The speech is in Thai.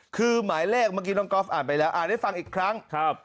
คือหมายเลขเมื่อกี้น้องก๊อฟอ่านไปแล้วอ่านให้ฟังอีกครั้งครับ